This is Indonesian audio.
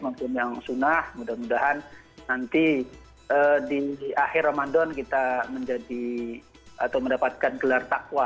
mungkin yang sunnah mudah mudahan nanti di akhir ramadan kita menjadi atau mendapatkan gelar takwa